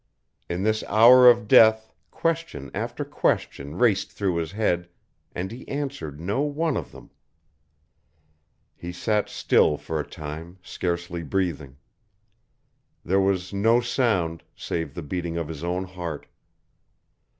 In this hour of death question after question raced through his head, and he answered no one of them. He sat still for a time, scarcely breathing. There was no sound, save the beating of his own heart.